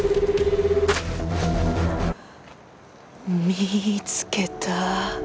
見つけた。